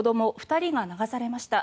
２人が流されました。